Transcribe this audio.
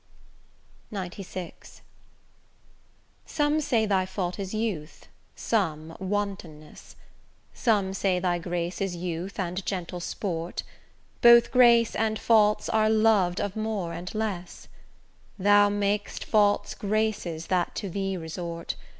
XCVI Some say thy fault is youth, some wantonness; Some say thy grace is youth and gentle sport; Both grace and faults are lov'd of more and less: Thou mak'st faults graces that to thee resort.